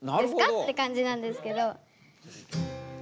っていう感じなんですけど。